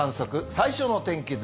最初の天気図。